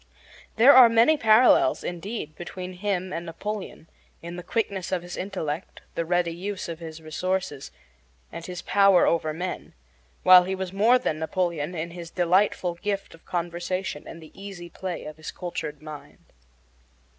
There are many parallels, indeed, between him and Napoleon in the quickness of his intellect, the ready use of his resources, and his power over men, while he was more than Napoleon in his delightful gift of conversation and the easy play of his cultured mind.